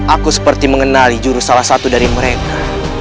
aku seperti mengenali jurus salah satu dari mereka